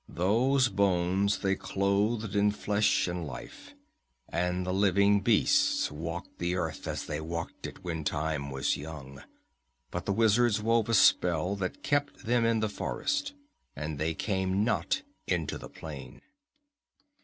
Those bones they clothed in flesh and life, and the living beasts walked the earth as they walked it when Time was young. But the wizards wove a spell that kept them in the forest and they came not into the plain.